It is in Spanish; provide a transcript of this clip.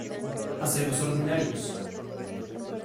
Aceros ordinarios.